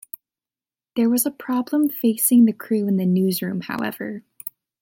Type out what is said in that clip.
There was a problem facing the crew in the newsroom, however.